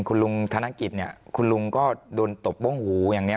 คุณลุงธนกิจเนี่ยคุณลุงก็โดนตบโบ้งหูอย่างนี้